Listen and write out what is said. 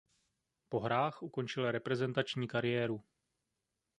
Po hrách ukončil reprezentační kariéru.